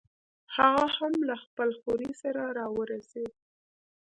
هغه هم له خپل خوریي سره راورسېد.